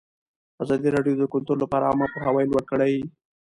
ازادي راډیو د کلتور لپاره عامه پوهاوي لوړ کړی.